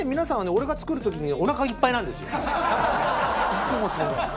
いつもそうだ。